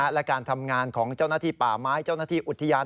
และการทำงานของเจ้าหน้าที่ป่าไม้เจ้าหน้าที่อุทยาน